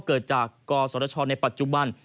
เกิดจากกศชในปัจจุบัน